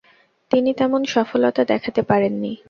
তিনি তেমন সফলতা দেখাতে পারেননি।